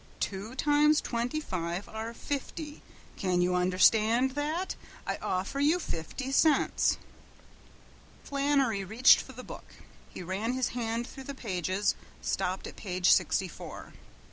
Two times twenty five are fifty! Can you understand that? I offer you fifty cents." Flannery reached for the book. He ran his hand through the pages and stopped at page sixty four.